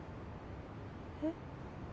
えっ？